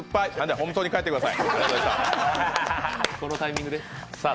本当に帰ってください。